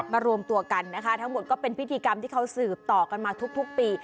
รวมตัวกันนะคะทั้งหมดก็เป็นพิธีกรรมที่เขาสืบต่อกันมาทุกปี